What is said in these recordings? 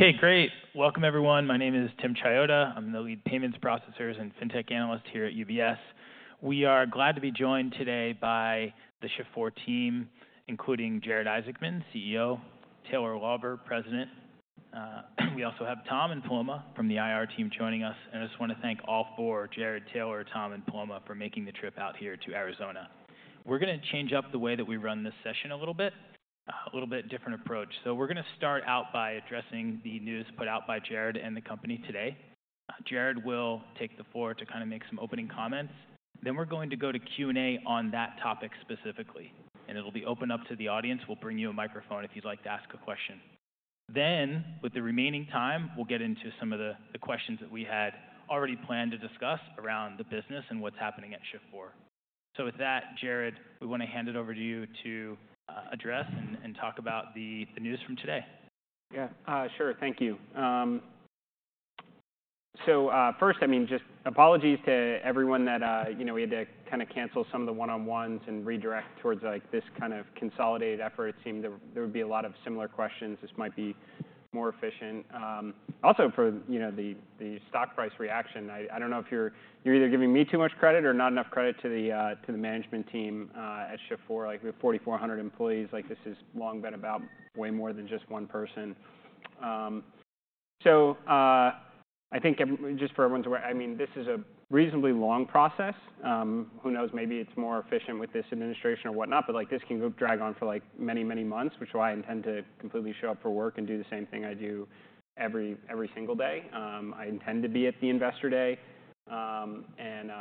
Okay, great. Welcome, everyone. My name is Tim Chiodo. I'm the lead payments and fintech analyst here at UBS. We are glad to be joined today by the Shift4 team, including Jared Isaacman, CEO; Taylor Lauber, President. We also have Tom and Paloma from the IR team joining us, and I just want to thank all four: Jared, Taylor, Tom, and Paloma for making the trip out here to Arizona. We're going to change up the way that we run this session a little bit, a little bit different approach. So we're going to start out by addressing the news put out by Jared and the company today. Jared will take the floor to kind of make some opening comments. Then we're going to go to Q&A on that topic specifically, and it'll be opened up to the audience. We'll bring you a microphone if you'd like to ask a question. Then, with the remaining time, we'll get into some of the questions that we had already planned to discuss around the business and what's happening at Shift4. So with that, Jared, we want to hand it over to you to address and talk about the news from today. Yeah, sure. Thank you. So first, I mean, just apologies to everyone that we had to kind of cancel some of the one-on-ones and redirect towards this kind of consolidated effort. It seemed there would be a lot of similar questions. This might be more efficient. Also, for the stock price reaction, I don't know if you're either giving me too much credit or not enough credit to the management team at Shift4. We have 4,400 employees. This has long been about way more than just one person. So I think just for everyone's aware, I mean, this is a reasonably long process. Who knows? Maybe it's more efficient with this administration or whatnot. But this can drag on for many, many months, which is why I intend to completely show up for work and do the same thing I do every single day. I intend to be at the Investor Day and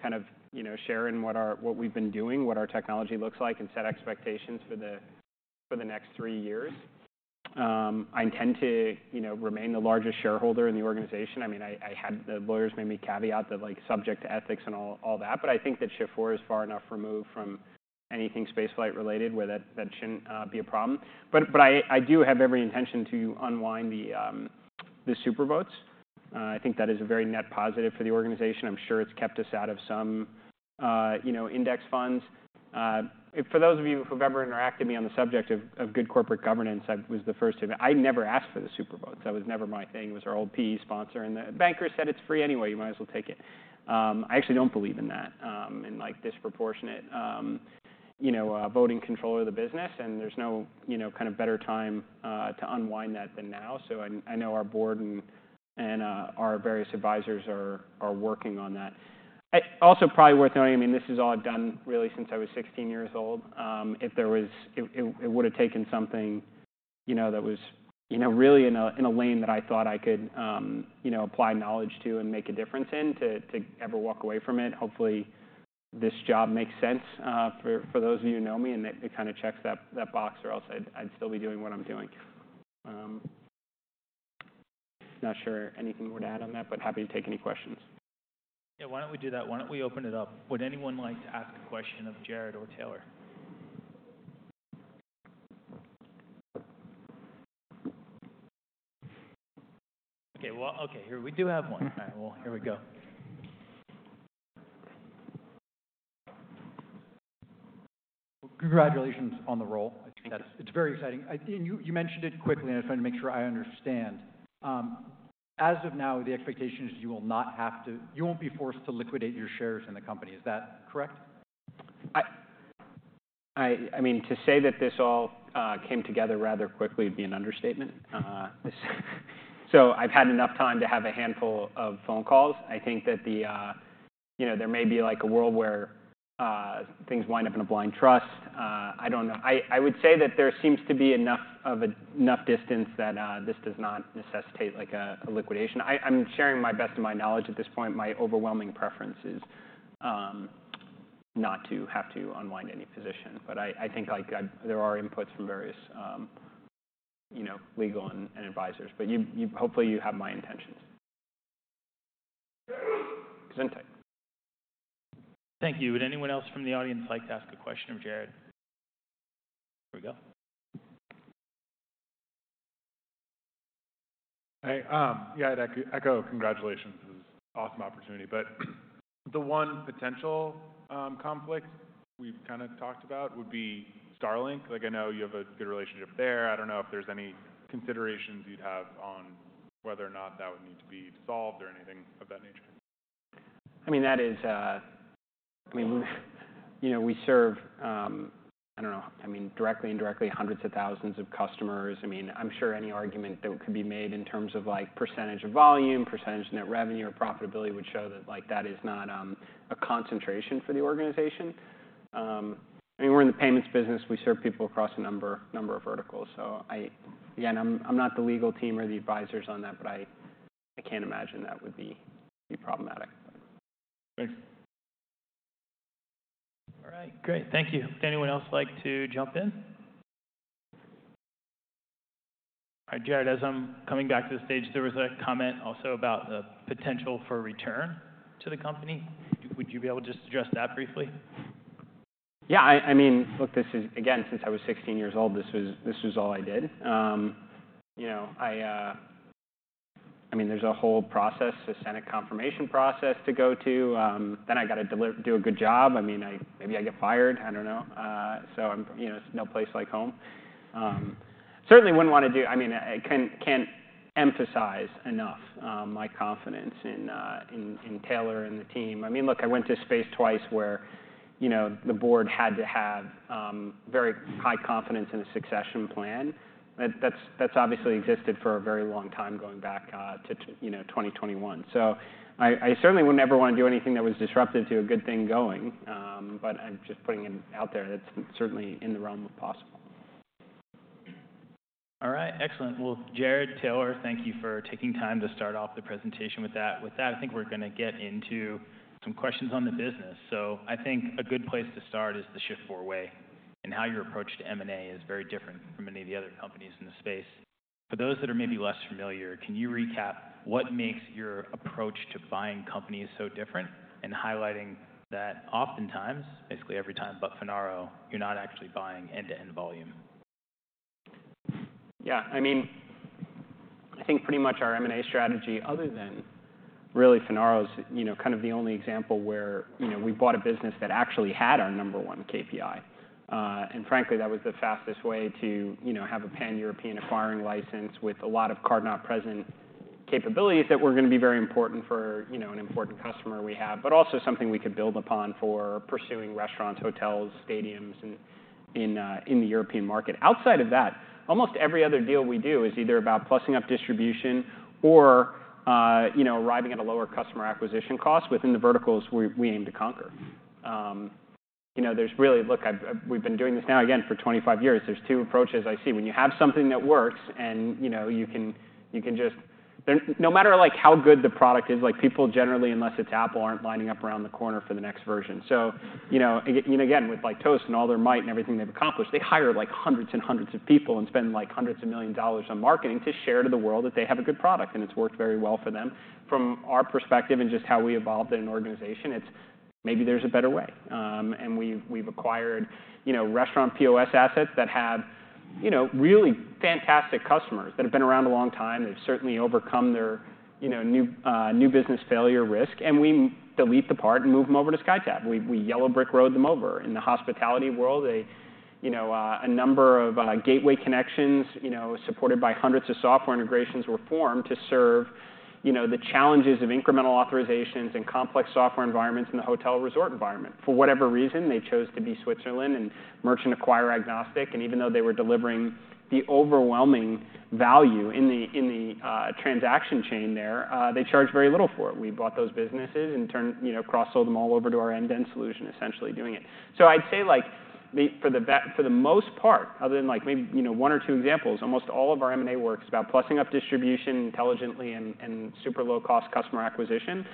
kind of share in what we've been doing, what our technology looks like, and set expectations for the next three years. I intend to remain the largest shareholder in the organization. I mean, the lawyers made me caveat that subject to ethics and all that. But I think that Shift4 is far enough removed from anything spaceflight-related where that shouldn't be a problem. But I do have every intention to unwind the super votes. I think that is a very net positive for the organization. I'm sure it's kept us out of some index funds. For those of you who've ever interacted with me on the subject of good corporate governance, I never asked for the super votes. That was never my thing. It was our old PE sponsor. And the banker said, "It's free anyway. You might as well take it." I actually don't believe in that and disproportionate voting control of the business, and there's no kind of better time to unwind that than now, so I know our board and our various advisors are working on that. Also, probably worth noting, I mean, this is all I've done really since I was 16 years old. If there was, it would have taken something that was really in a lane that I thought I could apply knowledge to and make a difference in to ever walk away from it. Hopefully, this job makes sense for those of you who know me and it kind of checks that box, or else I'd still be doing what I'm doing. Not sure anything more to add on that, but happy to take any questions. Yeah, why don't we do that? Why don't we open it up? Would anyone like to ask a question of Jared or Taylor? Okay, well, okay, here we do have one. All right, well, here we go. Congratulations on the role. I think that it's very exciting and you mentioned it quickly, and I just wanted to make sure I understand. As of now, the expectation is you will not have to, you won't be forced to liquidate your shares in the company. Is that correct? I mean, to say that this all came together rather quickly would be an understatement. So I've had enough time to have a handful of phone calls. I think that there may be a world where things wind up in a blind trust. I don't know. I would say that there seems to be enough distance that this does not necessitate a liquidation. I'm sharing my best of my knowledge at this point. My overwhelming preference is not to have to unwind any position. But I think there are inputs from various legal and advisors. But hopefully, you have my intentions. Because I'm tight. Thank you. Would anyone else from the audience like to ask a question of Jared? Here we go. Yeah, I'd echo congratulations. This is an awesome opportunity. But the one potential conflict we've kind of talked about would be Starlink. I know you have a good relationship there. I don't know if there's any considerations you'd have on whether or not that would need to be solved or anything of that nature. I mean, that is. I mean, we serve, I don't know, I mean, directly and indirectly hundreds of thousands of customers. I mean, I'm sure any argument that could be made in terms of percentage of volume, percentage of net revenue, or profitability would show that that is not a concentration for the organization. I mean, we're in the payments business. We serve people across a number of verticals. So again, I'm not the legal team or the advisors on that, but I can't imagine that would be problematic. Thanks. All right, great. Thank you. Would anyone else like to jump in? All right, Jared, as I'm coming back to the stage, there was a comment also about the potential for return to the company. Would you be able to just address that briefly? Yeah, I mean, look, this is, again, since I was 16 years old, this was all I did. I mean, there's a whole process, a Senate confirmation process to go to. Then I got to do a good job. I mean, maybe I get fired. I don't know. So there's no place like home. Certainly, wouldn't want to do. I mean, I can't emphasize enough my confidence in Taylor and the team. I mean, look, I went to a space twice where the board had to have very high confidence in a succession plan. That's obviously existed for a very long time going back to 2021. So I certainly would never want to do anything that was disruptive to a good thing going. But I'm just putting it out there that it's certainly in the realm of possible. All right, excellent. Well, Jared, Taylor, thank you for taking time to start off the presentation with that. With that, I think we're going to get into some questions on the business so I think a good place to start is the Shift4 way, and how your approach to M&A is very different from many of the other companies in the space. For those that are maybe less familiar, can you recap what makes your approach to buying companies so different and highlighting that oftentimes, basically every time but Finaro, you're not actually buying end-to-end volume? Yeah, I mean, I think pretty much our M&A strategy, other than really Finaro, is kind of the only example where we bought a business that actually had our number one KPI. And frankly, that was the fastest way to have a pan-European acquiring license with a lot of card-not-present capabilities that were going to be very important for an important customer we have, but also something we could build upon for pursuing restaurants, hotels, stadiums in the European market. Outside of that, almost every other deal we do is either about plussing up distribution or arriving at a lower customer acquisition cost within the verticals we aim to conquer. There's really, look, we've been doing this now again for 25 years. There's two approaches I see. When you have something that works and you can just—no matter how good the product is, people generally, unless it's Apple, aren't lining up around the corner for the next version, so again, with Toast and all their might and everything they've accomplished, they hire hundreds and hundreds of people and spend hundreds of millions of dollars on marketing to share to the world that they have a good product, and it's worked very well for them. From our perspective and just how we evolved in an organization, it's maybe there's a better way, and we've acquired restaurant POS assets that have really fantastic customers that have been around a long time. They've certainly overcome their new business failure risk, and we delete the part and move them over to SkyTab. We yellow brick road them over. In the hospitality world, a number of gateway connections supported by hundreds of software integrations were formed to serve the challenges of incremental authorizations and complex software environments in the hotel resort environment. For whatever reason, they chose to be Switzerland and merchant acquiring agnostic, and even though they were delivering the overwhelming value in the transaction chain there, they charged very little for it. We bought those businesses and cross-sold them all over to our end-to-end solution, essentially doing it, so I'd say for the most part, other than maybe one or two examples, almost all of our M&A work is about plussing up distribution intelligently and super low-cost customer acquisition,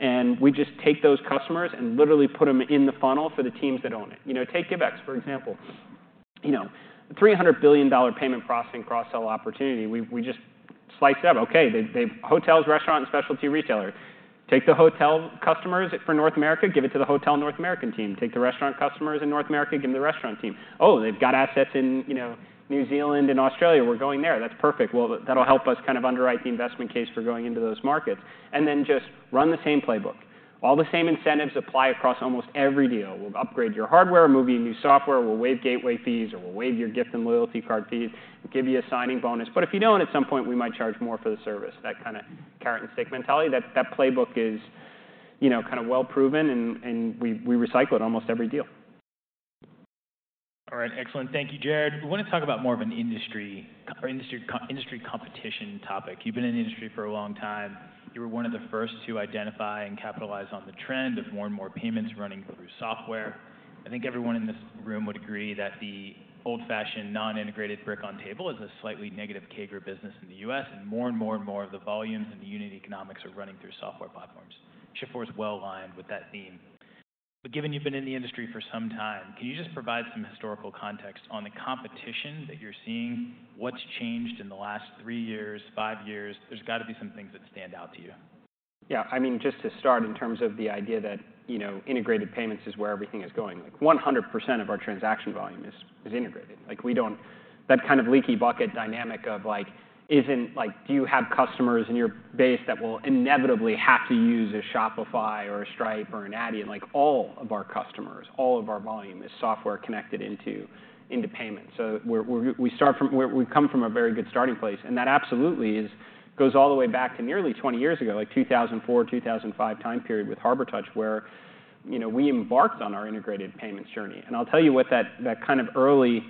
and we just take those customers and literally put them in the funnel for the teams that own it. Take Givex, for example. $300 billion payment processing cross-sell opportunity. We just slice it up. Okay, hotels, restaurant, and specialty retailer. Take the hotel customers for North America, give it to the hotel North American team. Take the restaurant customers in North America, give them to the restaurant team. Oh, they've got assets in New Zealand and Australia. We're going there. That's perfect. Well, that'll help us kind of underwrite the investment case for going into those markets. And then just run the same playbook. All the same incentives apply across almost every deal. We'll upgrade your hardware, moving new software. We'll waive gateway fees, or we'll waive your gift and loyalty card fees, give you a signing bonus. But if you don't, at some point, we might charge more for the service. That kind of carrot and stick mentality, that playbook is kind of well proven. And we recycle it almost every deal. All right, excellent. Thank you, Jared. We want to talk about more of an industry competition topic. You've been in the industry for a long time. You were one of the first to identify and capitalize on the trend of more and more payments running through software. I think everyone in this room would agree that the old-fashioned non-integrated brick-and-mortar is a slightly negative legacy business in the U.S. And more and more and more of the volumes and the unit economics are running through software platforms. Shift4 is well aligned with that theme. But given you've been in the industry for some time, can you just provide some historical context on the competition that you're seeing? What's changed in the last three years, five years? There's got to be some things that stand out to you. Yeah, I mean, just to start, in terms of the idea that integrated payments is where everything is going, 100% of our transaction volume is integrated. That kind of leaky bucket dynamic of do you have customers in your base that will inevitably have to use a Shopify or a Stripe or an Adyen, and all of our customers, all of our volume is software connected into payments. So we come from a very good starting place. And that absolutely goes all the way back to nearly 20 years ago, like 2004, 2005 time period with Harbortouch, where we embarked on our integrated payments journey. And I'll tell you what that kind of early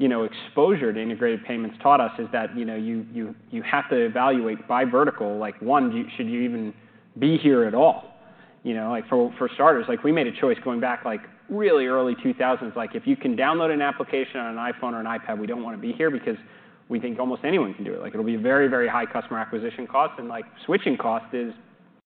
exposure to integrated payments taught us is that you have to evaluate by vertical. One, should you even be here at all? For starters, we made a choice going back really early 2000s. If you can download an application on an iPhone or an iPad, we don't want to be here because we think almost anyone can do it. It'll be a very, very high customer acquisition cost, and switching cost is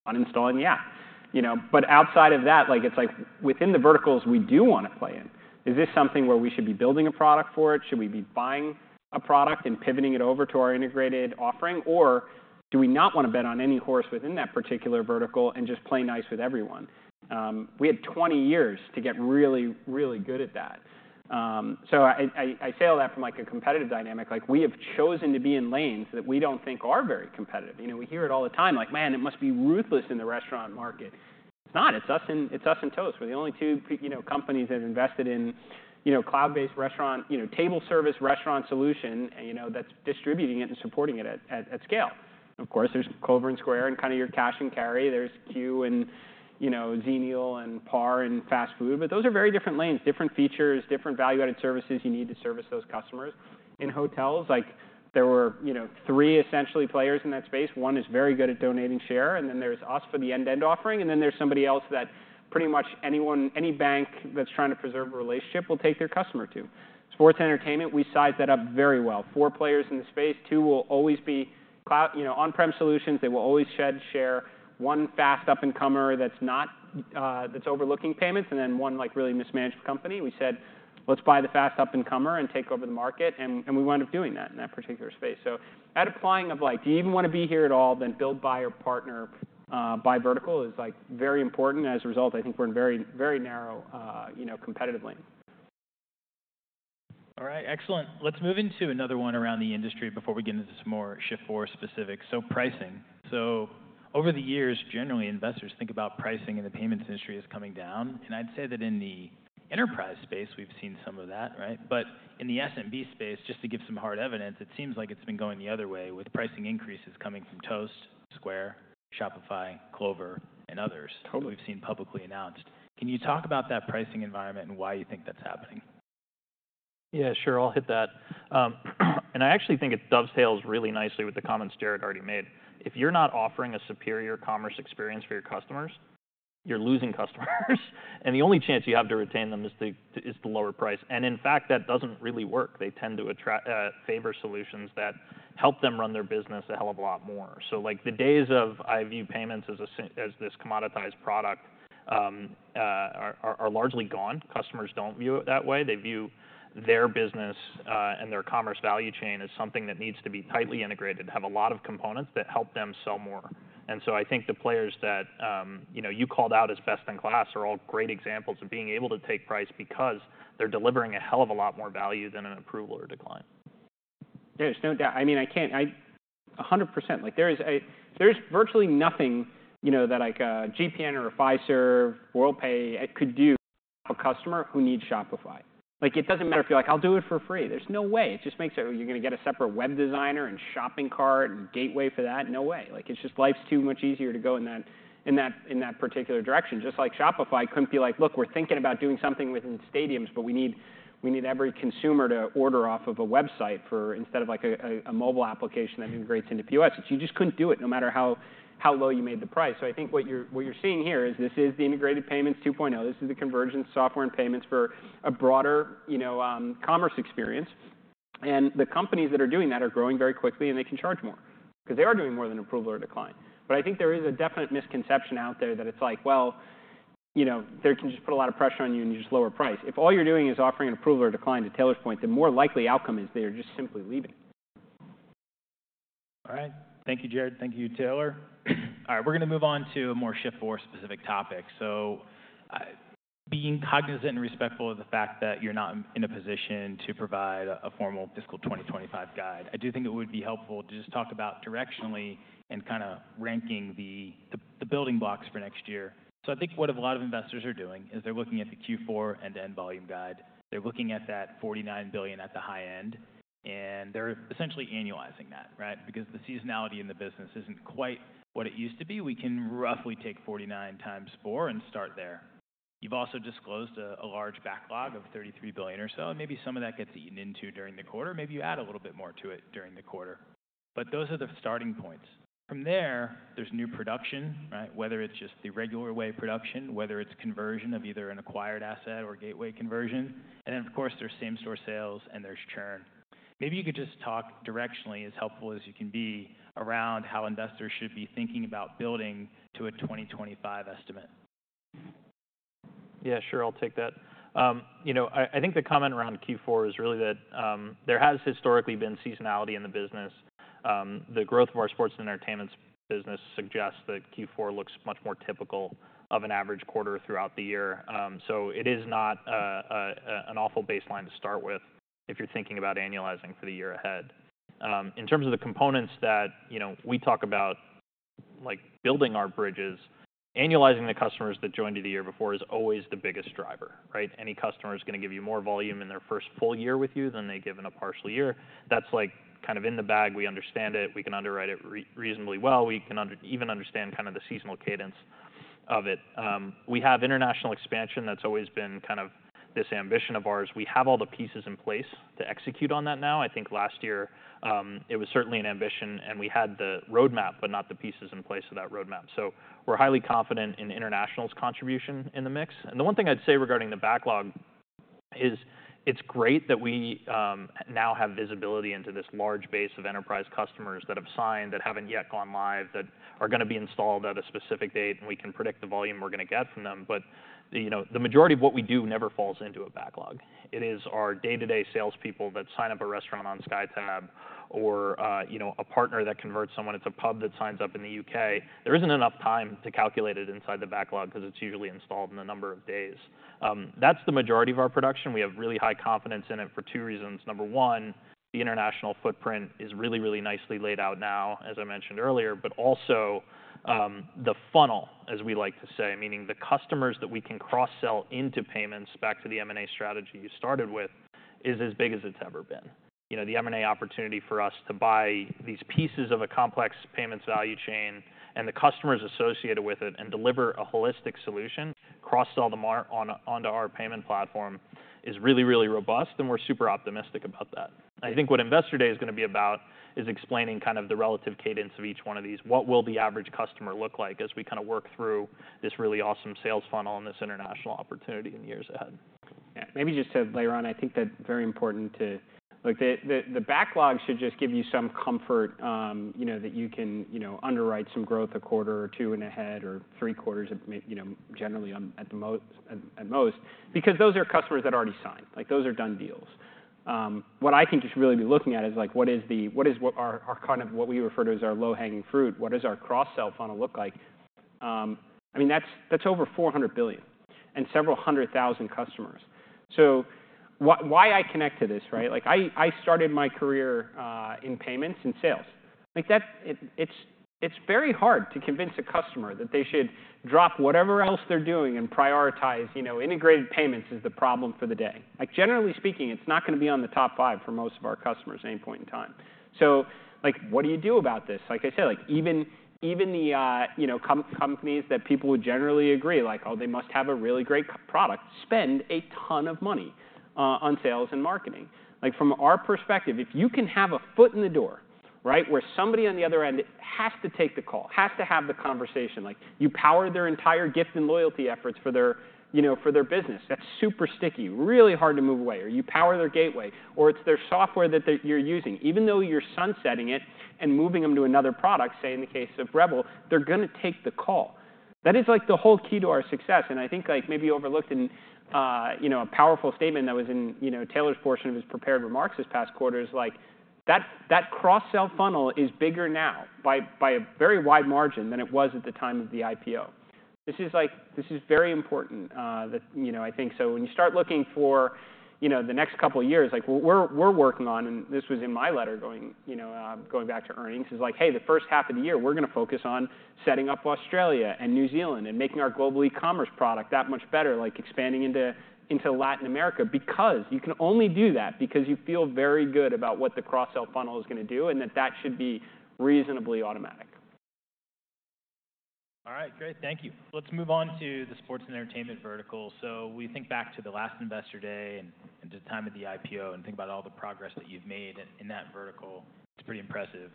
uninstalling the app. But outside of that, it's like within the verticals we do want to play in. Is this something where we should be building a product for it? Should we be buying a product and pivoting it over to our integrated offering? Or do we not want to bet on any horse within that particular vertical and just play nice with everyone? We had 20 years to get really, really good at that, so I say all that from a competitive dynamic. We have chosen to be in lanes that we don't think are very competitive. We hear it all the time. Like, man, it must be ruthless in the restaurant market. It's not. It's us and Toast. We're the only two companies that have invested in cloud-based restaurant table service restaurant solution that's distributing it and supporting it at scale. Of course, there's Clover and Square and kind of your cash and carry. There's Qu and Xenial and PAR and fast food. But those are very different lanes, different features, different value-added services you need to service those customers. In hotels, there were three essentially players in that space. One is very good at donating share. And then there's us for the end-to-end offering. And then there's somebody else that pretty much any bank that's trying to preserve a relationship will take their customer to. Sports entertainment, we sized that up very well. Four players in the space. Two will always be on-prem solutions. They will always shed share. One fast up-and-comer that's overlooking payments, and then one really mismanaged company. We said, let's buy the fast up-and-comer and take over the market, and we wound up doing that in that particular space. So, that applying of "do you even want to be here at all, then build, buy, or partner" by vertical is very important. As a result, I think we're in very narrow competitive lane. All right, excellent. Let's move into another one around the industry before we get into some more Shift4 specifics. So pricing. So over the years, generally, investors think about pricing in the payments industry as coming down. And I'd say that in the enterprise space, we've seen some of that, right? But in the SMB space, just to give some hard evidence, it seems like it's been going the other way with pricing increases coming from Toast, Square, Shopify, Clover, and others that we've seen publicly announced. Can you talk about that pricing environment and why you think that's happening? Yeah, sure. I'll hit that. And I actually think it dovetails really nicely with the comments Jared already made. If you're not offering a superior commerce experience for your customers, you're losing customers. And the only chance you have to retain them is the lower price. And in fact, that doesn't really work. They tend to favor solutions that help them run their business a hell of a lot more. So the days of ISV payments as this commoditized product are largely gone. Customers don't view it that way. They view their business and their commerce value chain as something that needs to be tightly integrated, have a lot of components that help them sell more. I think the players that you called out as best in class are all great examples of being able to take price because they're delivering a hell of a lot more value than an approval or decline. There's no doubt. I mean, I can't 100%. There's virtually nothing that a GPN or a Fiserv, Worldpay could do for a customer who needs Shopify. It doesn't matter if you're like, I'll do it for free. There's no way. It just makes it you're going to get a separate web designer and shopping cart and gateway for that. No way. It's just life's too much easier to go in that particular direction. Just like Shopify couldn't be like, look, we're thinking about doing something within stadiums, but we need every consumer to order off of a website instead of a mobile application that integrates into POS. You just couldn't do it no matter how low you made the price. So I think what you're seeing here is this is the integrated payments 2.0. This is the convergence software and payments for a broader commerce experience. And the companies that are doing that are growing very quickly. And they can charge more because they are doing more than approval or decline. But I think there is a definite misconception out there that it's like, well, they can just put a lot of pressure on you and you just lower price. If all you're doing is offering an approval or decline to Taylor's point, the more likely outcome is they are just simply leaving. All right, thank you, Jared. Thank you, Taylor. All right, we're going to move on to a more Shift4 specific topic. So being cognizant and respectful of the fact that you're not in a position to provide a formal fiscal 2025 guide, I do think it would be helpful to just talk about directionally and kind of ranking the building blocks for next year. So I think what a lot of investors are doing is they're looking at the Q4 end-to-end volume guide. They're looking at that $49 billion at the high end. And they're essentially annualizing that, right? Because the seasonality in the business isn't quite what it used to be. We can roughly take $49 times 4 and start there. You've also disclosed a large backlog of $33 billion or so. And maybe some of that gets eaten into during the quarter. Maybe you add a little bit more to it during the quarter. But those are the starting points. From there, there's new production, whether it's just the regular way of production, whether it's conversion of either an acquired asset or gateway conversion. And then, of course, there's same-store sales and there's churn. Maybe you could just talk directionally as helpful as you can be around how investors should be thinking about building to a 2025 estimate. Yeah, sure. I'll take that. I think the comment around Q4 is really that there has historically been seasonality in the business. The growth of our sports and entertainment business suggests that Q4 looks much more typical of an average quarter throughout the year. So it is not an awful baseline to start with if you're thinking about annualizing for the year ahead. In terms of the components that we talk about building our bridges, annualizing the customers that joined you the year before is always the biggest driver, right? Any customer is going to give you more volume in their first full year with you than they give in a partial year. That's kind of in the bag. We understand it. We can underwrite it reasonably well. We can even understand kind of the seasonal cadence of it. We have international expansion. That's always been kind of this ambition of ours. We have all the pieces in place to execute on that now. I think last year it was certainly an ambition. And we had the roadmap, but not the pieces in place of that roadmap. So we're highly confident in international's contribution in the mix. And the one thing I'd say regarding the backlog is it's great that we now have visibility into this large base of enterprise customers that have signed, that haven't yet gone live, that are going to be installed at a specific date. And we can predict the volume we're going to get from them. But the majority of what we do never falls into a backlog. It is our day-to-day salespeople that sign up a restaurant on SkyTab or a partner that converts someone into a pub that signs up in the U.K. There isn't enough time to calculate it inside the backlog because it's usually installed in a number of days. That's the majority of our production. We have really high confidence in it for two reasons. Number one, the international footprint is really, really nicely laid out now, as I mentioned earlier, but also the funnel, as we like to say, meaning the customers that we can cross-sell into payments back to the M&A strategy you started with, is as big as it's ever been. The M&A opportunity for us to buy these pieces of a complex payments value chain and the customers associated with it and deliver a holistic solution, cross-sell them onto our payment platform, is really, really robust, and we're super optimistic about that. I think what Investor Day is going to be about is explaining kind of the relative cadence of each one of these. What will the average customer look like as we kind of work through this really awesome sales funnel and this international opportunity in years ahead? Yeah, maybe just to layer on. I think that's very important to the backlog should just give you some comfort that you can underwrite some growth a quarter or two in ahead or three quarters generally at most because those are customers that already signed. Those are done deals. What I can just really be looking at is what is our kind of what we refer to as our low-hanging fruit. What does our cross-sell funnel look like? I mean, that's over $400 billion and several hundred thousand customers. So why I connect to this, right? I started my career in payments and sales. It's very hard to convince a customer that they should drop whatever else they're doing and prioritize integrated payments as the problem for the day. Generally speaking, it's not going to be on the top five for most of our customers at any point in time. So what do you do about this? Like I said, even the companies that people would generally agree, like, oh, they must have a really great product, spend a ton of money on sales and marketing. From our perspective, if you can have a foot in the door where somebody on the other end has to take the call, has to have the conversation, you power their entire gift and loyalty efforts for their business, that's super sticky, really hard to move away, or you power their gateway, or it's their software that you're using, even though you're sunsetting it and moving them to another product, say in the case of Revel, they're going to take the call. That is like the whole key to our success. And I think maybe you overlooked a powerful statement that was in Taylor's portion of his prepared remarks this past quarter is that cross-sell funnel is bigger now by a very wide margin than it was at the time of the IPO. This is very important that I think. So when you start looking for the next couple of years, what we're working on, and this was in my letter going back to earnings, is like, hey, the first half of the year, we're going to focus on setting up Australia and New Zealand and making our global e-commerce product that much better, expanding into Latin America because you can only do that because you feel very good about what the cross-sell funnel is going to do and that that should be reasonably automatic. All right, great. Thank you. Let's move on to the sports and entertainment vertical. We think back to the last Investor Day and to the time of the IPO and think about all the progress that you've made in that vertical. It's pretty impressive.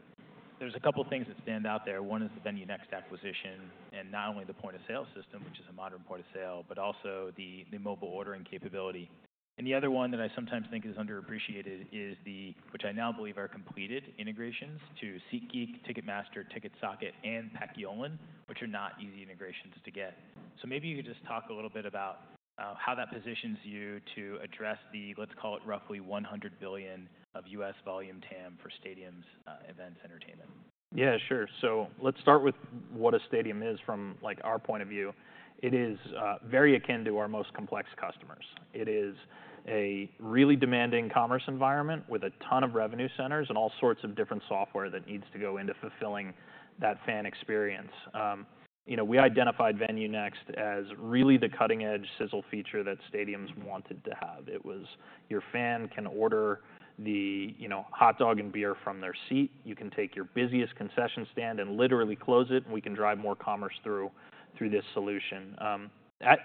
There's a couple of things that stand out there. One is the VenueNext acquisition and not only the point of sale system, which is a modern point of sale, but also the mobile ordering capability. And the other one that I sometimes think is underappreciated is the, which I now believe are completed integrations to SeatGeek, Ticketmaster, TicketSocket, and Paciolan, which are not easy integrations to get. So maybe you could just talk a little bit about how that positions you to address the, let's call it roughly $100 billion of U.S. volume TAM for stadiums, events, entertainment. Yeah, sure. So let's start with what a stadium is from our point of view. It is very akin to our most complex customers. It is a really demanding commerce environment with a ton of revenue centers and all sorts of different software that needs to go into fulfilling that fan experience. We identified VenueNext as really the cutting-edge sizzle feature that stadiums wanted to have. It was your fan can order the hot dog and beer from their seat. You can take your busiest concession stand and literally close it. And we can drive more commerce through this solution.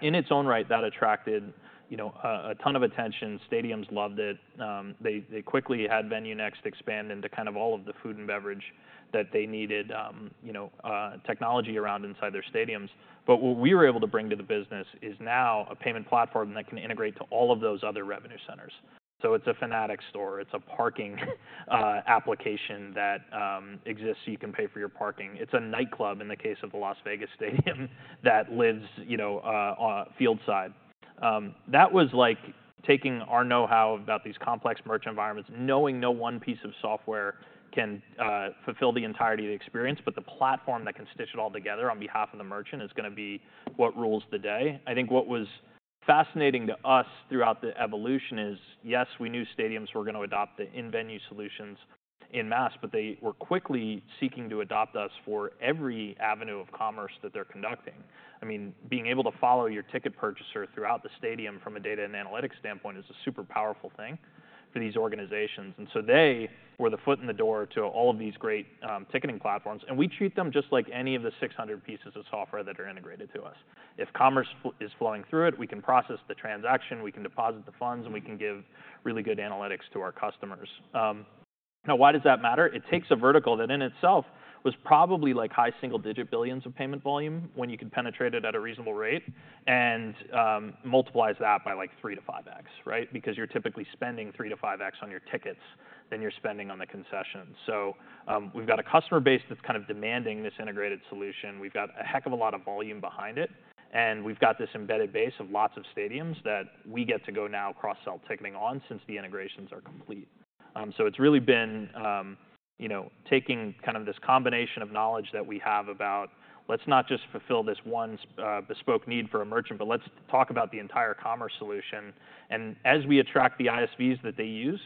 In its own right, that attracted a ton of attention. Stadiums loved it. They quickly had VenueNext expand into kind of all of the food and beverage that they needed technology around inside their stadiums. But what we were able to bring to the business is now a payment platform that can integrate to all of those other revenue centers. So it's a Fanatics store. It's a parking application that exists so you can pay for your parking. It's a nightclub in the case of the Las Vegas Stadium that lives on a field side. That was like taking our know-how about these complex merch environments, knowing no one piece of software can fulfill the entirety of the experience. But the platform that can stitch it all together on behalf of the merchant is going to be what rules the day. I think what was fascinating to us throughout the evolution is, yes, we knew stadiums were going to adopt the in-venue solutions en masse, but they were quickly seeking to adopt us for every avenue of commerce that they're conducting. I mean, being able to follow your ticket purchaser throughout the stadium from a data and analytics standpoint is a super powerful thing for these organizations. And so they were the foot in the door to all of these great ticketing platforms. And we treat them just like any of the 600 pieces of software that are integrated to us. If commerce is flowing through it, we can process the transaction. We can deposit the funds. And we can give really good analytics to our customers. Now, why does that matter? It takes a vertical that in itself was probably like high single-digit billions of payment volume when you could penetrate it at a reasonable rate and multiplies that by like 3x or 5x, right? Because you're typically spending 3x or 5x on your tickets than you're spending on the concession. So we've got a customer base that's kind of demanding this integrated solution. We've got a heck of a lot of volume behind it. And we've got this embedded base of lots of stadiums that we get to go now cross-sell ticketing on since the integrations are complete. So it's really been taking kind of this combination of knowledge that we have about let's not just fulfill this one bespoke need for a merchant, but let's talk about the entire commerce solution. And as we attract the ISVs that they use,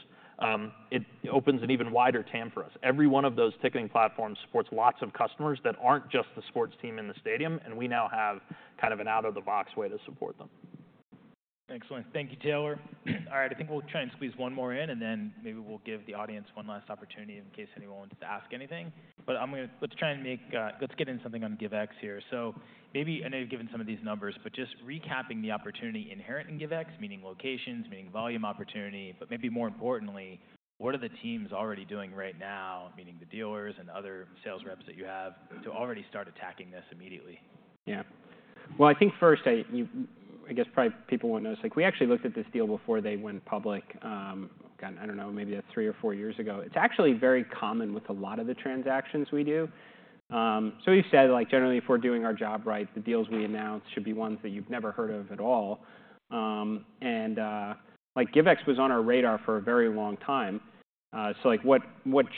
it opens an even wider TAM for us. Every one of those ticketing platforms supports lots of customers that aren't just the sports team in the stadium. And we now have kind of an out-of-the-box way to support them. Excellent. Thank you, Taylor. All right, I think we'll try and squeeze one more in, and then maybe we'll give the audience one last opportunity in case anyone wants to ask anything. But let's try and get into something on Givex here. So maybe I know you've given some of these numbers, but just recapping the opportunity inherent in Givex, meaning locations, meaning volume opportunity, but maybe more importantly, what are the teams already doing right now, meaning the dealers and other sales reps that you have to already start attacking this immediately? Yeah. Well, I think first, I guess probably people won't know this. We actually looked at this deal before they went public, I don't know, maybe three or four years ago. It's actually very common with a lot of the transactions we do. So we've said generally if we're doing our job right, the deals we announce should be ones that you've never heard of at all. And Givex was on our radar for a very long time. So what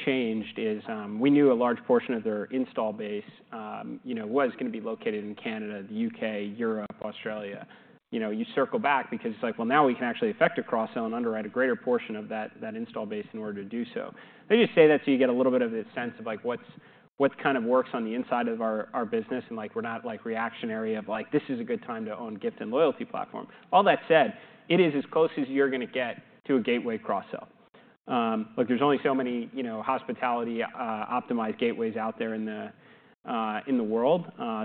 changed is we knew a large portion of their install base was going to be located in Canada, the U.K., Europe, Australia. You circle back because it's like, well, now we can actually affect a cross-sell and underwrite a greater portion of that install base in order to do so. They just say that so you get a little bit of a sense of what kind of works on the inside of our business, and we're not reactionary of like, this is a good time to own gift and loyalty platform. All that said, it is as close as you're going to get to a gateway cross-sell. There's only so many hospitality-optimized gateways out there in the world.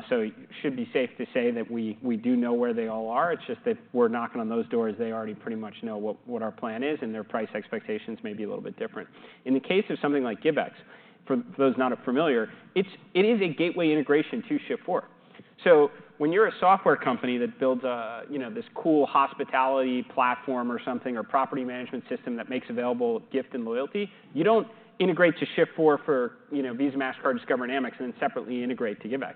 So it should be safe to say that we do know where they all are. It's just that we're knocking on those doors. They already pretty much know what our plan is, and their price expectations may be a little bit different. In the case of something like Givex, for those not familiar, it is a gateway integration to Shift4. When you're a software company that builds this cool hospitality platform or something or property management system that makes available gift and loyalty, you don't integrate to Shift4 for Visa, Mastercard, Discover, and Amex and then separately integrate to Givex.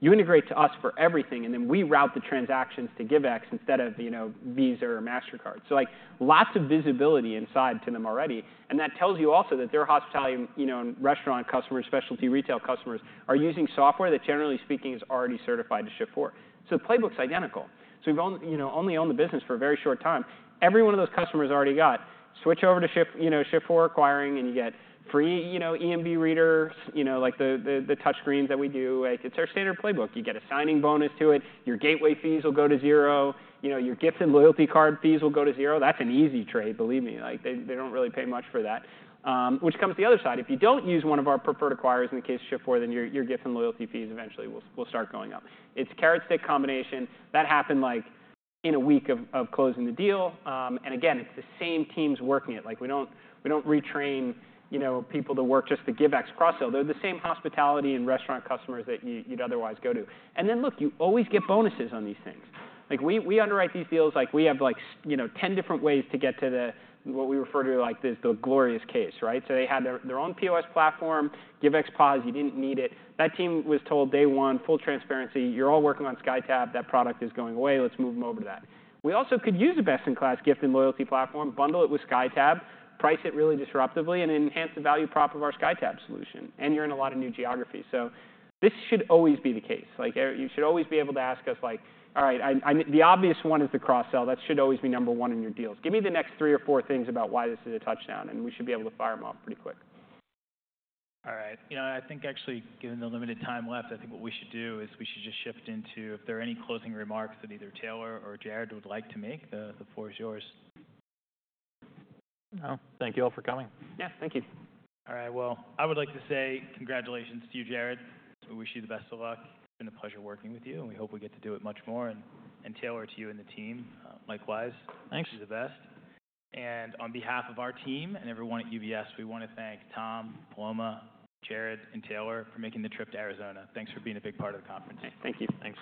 You integrate to us for everything, and then we route the transactions to Givex instead of Visa or Mastercard, so lots of visibility inside to them already, and that tells you also that their hospitality and restaurant customers, specialty retail customers are using software that, generally speaking, is already certified to Shift4, so the playbook's identical, so we've only owned the business for a very short time. Every one of those customers already got switch over to Shift4 acquiring, and you get free EMV readers, like the touchscreens that we do. It's our standard playbook. You get a signing bonus to it. Your gateway fees will go to zero. Your gift and loyalty card fees will go to zero. That's an easy trade, believe me. They don't really pay much for that, which comes to the other side. If you don't use one of our preferred acquirers, in the case of Shift4, then your gift and loyalty fees eventually will start going up. It's a carrot-stick combination. That happened in a week of closing the deal. And again, it's the same teams working it. We don't retrain people to work just the Givex cross-sell. They're the same hospitality and restaurant customers that you'd otherwise go to. And then look, you always get bonuses on these things. We underwrite these deals like we have 10 different ways to get to what we refer to as the glorious case, right? So they had their own POS platform, Givex POS. You didn't need it. That team was told day one, full transparency, you're all working on SkyTab. That product is going away. Let's move them over to that. We also could use a best-in-class gift and loyalty platform, bundle it with SkyTab, price it really disruptively, and enhance the value prop of our SkyTab solution. And you're in a lot of new geographies. So this should always be the case. You should always be able to ask us, like, all right, the obvious one is the cross-sell. That should always be number one in your deals. Give me the next three or four things about why this is a touchdown. And we should be able to fire them off pretty quick. All right. I think actually, given the limited time left, I think what we should do is we should just shift into if there are any closing remarks that either Taylor or Jared would like to make. The floor is yours. No. Thank you all for coming. Yeah, thank you. All right, well, I would like to say congratulations to you, Jared. We wish you the best of luck. It's been a pleasure working with you. And we hope we get to do it much more. And Taylor, to you and the team, likewise. Thanks. You're the best. And on behalf of our team and everyone at UBS, we want to thank Tom, Paloma, Jared, and Taylor for making the trip to Arizona. Thanks for being a big part of the conference. Thank you. Thanks.